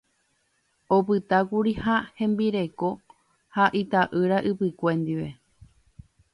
Opytákuri ha hembireko ha ita'ýra ypykue ndive.